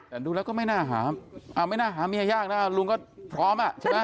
แต่ดูแล้วก็ไม่น่าไม่น่าหาเมียยากนะลุงก็พร้อมอ่ะใช่ไหม